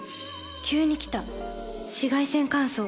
急に来た紫外線乾燥。